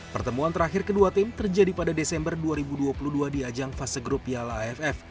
pertemuan terakhir kedua tim terjadi pada desember dua ribu dua puluh dua di ajang fase grup piala aff